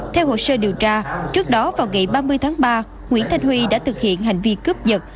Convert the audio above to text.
theo hồ sơ điều tra trước đó vào ngày ba mươi tháng ba nguyễn thanh huy đã thực hiện hành vi cướp giật